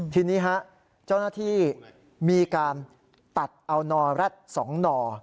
ทีนี้ฮะเจ้าหน้าที่มีการตัดเอานอแร็ด๒นอ